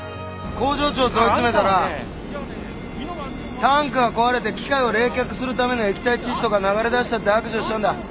工場長問い詰めたらタンクが壊れて機械を冷却するための液体窒素が流れ出したって白状したんだ。